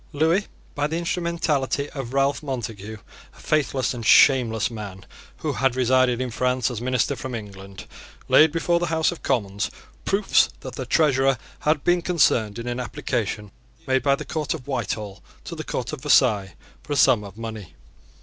Lewis, by the instrumentality of Ralph Montague, a faithless and shameless man who had resided in France as minister from England, laid before the House of Commons proofs that the Treasurer had been concerned in an application made by the Court of Whitehall to the Court of Versailles for a sum of money.